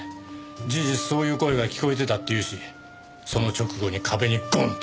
事実そういう声が聞こえてたっていうしその直後に壁にゴンって。